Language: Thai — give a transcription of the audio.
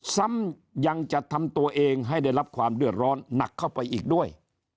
ซ้ำยังจะทำตัวเองให้ได้รับความเดือดร้อนหนักเข้าไปอีกด้วย